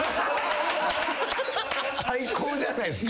最高じゃないですか。